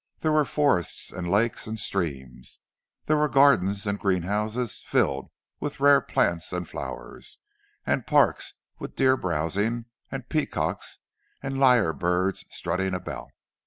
There were forests and lakes and streams; there were gardens and greenhouses filled with rare plants and flowers, and parks with deer browsing, and peacocks and lyre birds strutting about.